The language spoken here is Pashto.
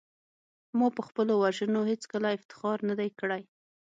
ما په خپلو وژنو هېڅکله افتخار نه دی کړی